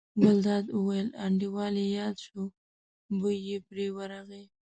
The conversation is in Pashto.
ګلداد وویل: انډیوال یې یاد شو، بوی یې پرې ورغی.